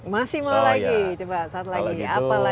masih mau lagi coba satu lagi apa lagi